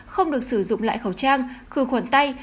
không được sử dụng lại khẩu trang khử khuẩn tay